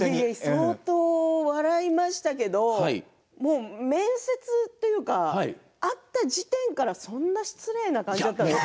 相当笑いましたけど面接というか会った時点からそんな失礼な感じだったんですか。